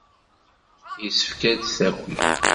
Yessefk ad d-taki.